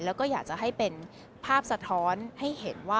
แล้วก็อยากจะให้เป็นภาพสะท้อนให้เห็นว่า